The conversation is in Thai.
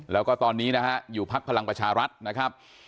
แล้วก็ตอนนี้นะฮะอยู่พักพลังประชารัฐนะครับ